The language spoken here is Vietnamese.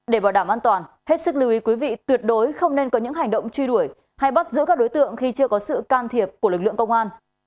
để bảo đảm an toàn hết sức lưu ý quý vị tuyệt đối không nên có những hành động truy đuổi hay bắt giữ các đối tượng khi chưa có sự can thiệp của lực lượng công an